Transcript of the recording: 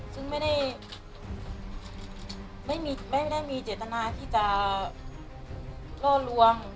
ซึ่งไม่ได้มีโจทย์ทนาที่จะร่วนร่วง